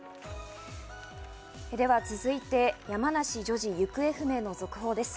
では続いて、山梨女児行方不明の続報です。